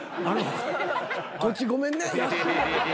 こっちごめんね安い。